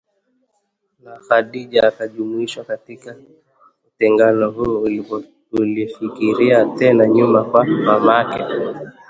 Na Khadija, akijumuishwa katika utengano huu, alifikiria tena nyuma kwa mamake